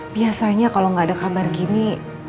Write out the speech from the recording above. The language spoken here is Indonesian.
biasanya kalau nggak ada kabar gini